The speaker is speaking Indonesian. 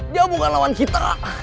dia bukan lawan kita